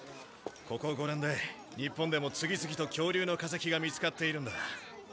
ここ５年で日本でも次々と恐竜の化石が見つかっているんだ。